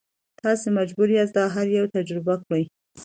تاسو مجبور یاست دا هر یو تجربه کړئ.